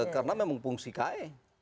karena memang fungsi kae